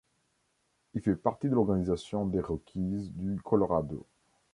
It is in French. Il fait partie de l'organisation des Rockies du Colorado.